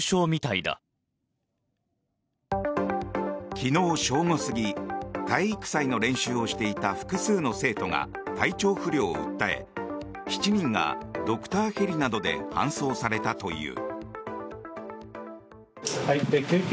昨日正午過ぎ体育祭の練習をしていた複数の生徒が体調不良を訴え７人がドクターヘリなどで搬送されたという。